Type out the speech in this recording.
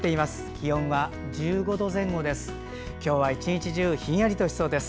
気温は１５度前後です。